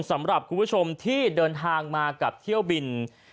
สำหรับคุณผู้ชมที่เดินทางมากับเที่ยวบิน